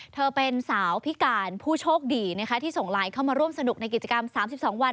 เธอเป็นสาวพิการผู้โชคดีนะคะที่ส่งไลน์เข้ามาร่วมสนุกในกิจกรรม๓๒วัน